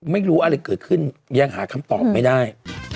ไม่รู้อะไรเกิดขึ้นยังหาคำตอบไม่ได้